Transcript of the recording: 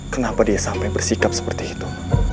kenapa dia sampai bersikap seperti itu